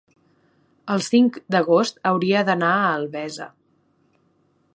el cinc d'agost hauria d'anar a Albesa.